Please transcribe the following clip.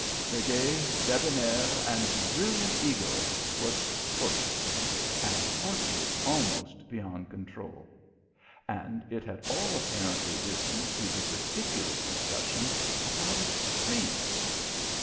The gay, debonair, and brilliant egoist was tortured, and tortured almost beyond control; and it had all apparently risen through the ridiculous discussion about a street.